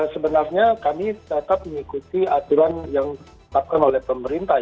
sebenarnya kami tetap mengikuti aturan yang ditetapkan oleh pemerintah